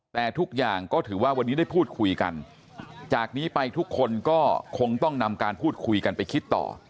แต่ทุกอย่างก็ถือว่าวันนี้ได้พูดคุยกันจากนี้ไปทุกคนก็คงต้องนำการพูดคุยกันไปคิดต่อ